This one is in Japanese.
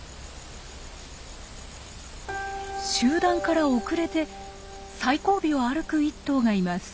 集団から遅れて最後尾を歩く１頭がいます。